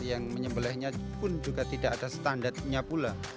yang menyembelihnya pun juga tidak ada standarnya pula